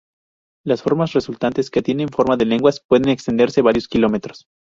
Las formas resultantes, que tienen forma de lenguas, pueden extenderse varios kilómetros.